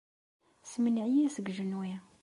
Semneɛ-iyi seg ujenwi.